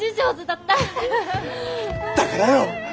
だからよ。